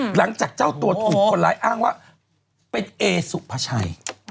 หลังจากเจ้าตัวถูกคนร้ายอ้างว่าเป็นเอสุภาชัย